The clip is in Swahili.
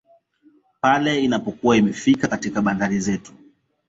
Pale inapokuwa tayari imefika katika bandari zetu